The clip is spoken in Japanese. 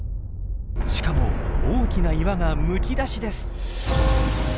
しかも大きな岩がむき出しです。